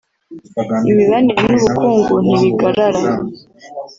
imibanire n’ubukungu ntibigarara